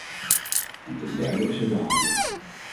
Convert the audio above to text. En ten derde is er de handel.